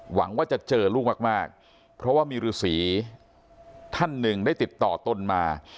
หวังว่าจะเจอลูกมากเพราะว่ามีฤษีท่านหนึ่งได้ติดต่อตนมา